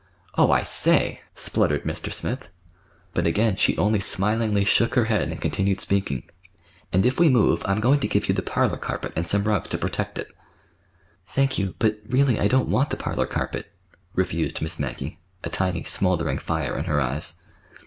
"Oh, I say!" spluttered Mr. Smith. But again she only smilingly shook her head and continued speaking. "And if we move, I'm going to give you the parlor carpet, and some rugs to protect it." "Thank you; but, really, I don't want the parlor carpet," refused Miss Maggie, a tiny smouldering fire in her eyes.